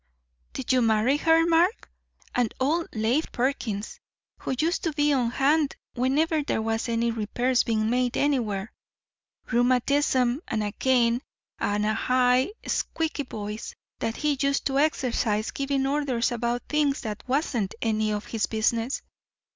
Did you marry her, Mark? And old Lafe Perkins, who used to be on hand whenever there was any repairs being made anywhere rheumatism and a cane and a high squeaky voice that he used to exercise giving orders about things that wasn't any of his business.